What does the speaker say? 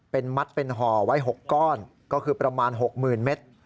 เป็นมัดเป็นห่อไว้๖ก้อนก็คือประมาณ๖๐๐๐เมตร